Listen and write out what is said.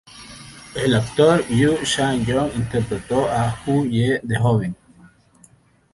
El actor Yoon Chan-young interpretó a Hoo-ye de joven.